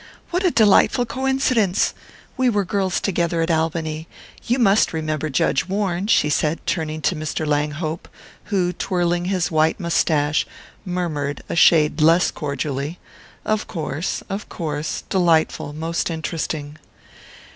"What a delightful coincidence! We were girls together at Albany. You must remember Judge Warne?" she said, turning to Mr. Langhope, who, twirling his white moustache, murmured, a shade less cordially: "Of course of course delightful most interesting."